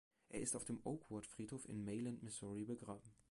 Er ist auf dem Oakwood-Friedhof in Mailand, Missouri, begraben.